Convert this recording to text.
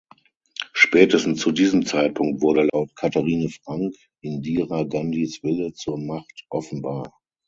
Spätestens zu diesem Zeitpunkt wurde, laut Katherine Frank, Indira Gandhis Wille zur Macht offenbar.